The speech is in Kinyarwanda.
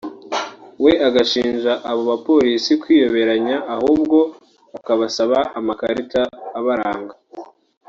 we agashinja abo bapolisi kwiyoberanya ahubwo akabasaba amakarita abaranga